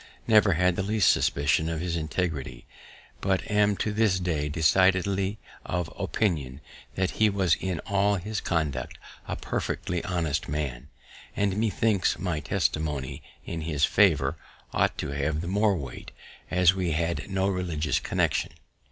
never had the least suspicion of his integrity, but am to this day decidedly of opinion that he was in all his conduct a perfectly honest man; and methinks my testimony in his favour ought to have the more weight, as we had no religious connection.